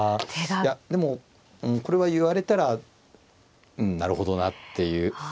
いやでもこれは言われたらなるほどなっていう。